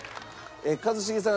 一茂さん